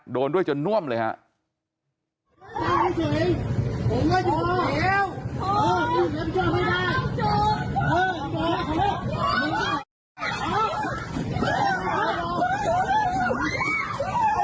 ขอเล่นลุงกันแบบนี้ได้เหรอ